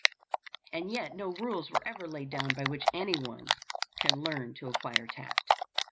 And yet no rules were ever laid down by which anyone can learn to acquire tact.